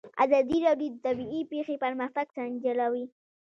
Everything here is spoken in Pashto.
ازادي راډیو د طبیعي پېښې پرمختګ سنجولی.